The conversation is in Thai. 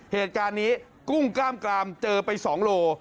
เหตุการณ์นี้กุ้งกล้ามกรามเจอไป๒โล